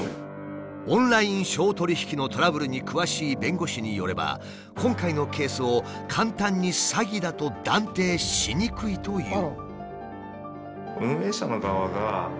オンライン商取引のトラブルに詳しい弁護士によれば今回のケースを簡単に詐欺だと断定しにくいという。